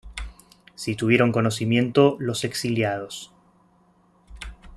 Sí tuvieron conocimiento los exiliados.